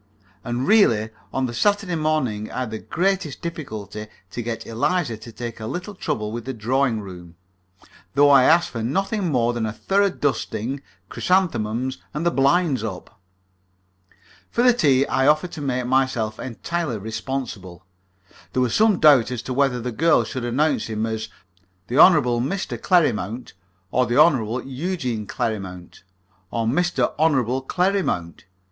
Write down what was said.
And, really, on the Saturday morning I had the greatest difficulty to get Eliza to take a little trouble with the drawing room, though I asked for nothing more than a thorough dusting, chrysanthemums, and the blinds up. For the tea I offered to make myself entirely responsible. There was some doubt as to whether the girl should announce him as the Hon. Mr. Clerrimount, or the Hon. Eugene Clerrimount, or Mr. Hon. Clerrimount.